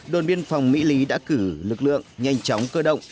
đồn biên phòng mỹ lý đã cử lực lượng nhanh chóng cơ động